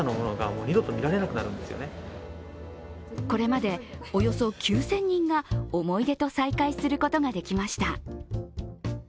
これまでおよそ９０００人が思い出と再会することができました。